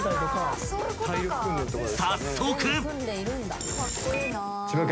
［早速］